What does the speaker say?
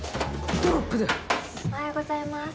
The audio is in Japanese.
おはようございます。